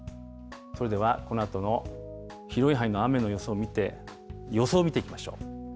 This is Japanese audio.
それではこのあとの広い範囲の雨の予想見ていきましょう。